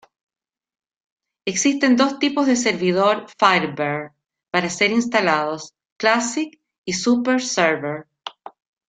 Existen dos tipos de servidor Firebird para ser instalados: Classic y Super server.